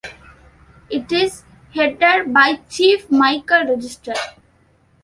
It is headed by Chief Michael Register.